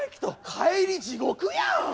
帰り地獄やん！